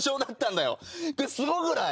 すごくない？